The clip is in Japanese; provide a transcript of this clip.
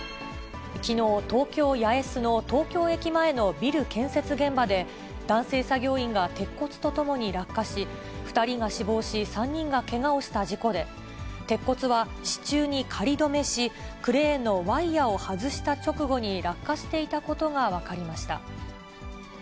きのう、東京・八重洲の東京駅前のビル建設現場で、男性作業員が鉄骨とともに落下し、２人が死亡し、３人がけがをした事故で、鉄骨は支柱に仮止めし、クレーンのワイヤを外した直後に落下していたことが分かりました。